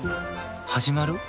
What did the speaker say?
始まる？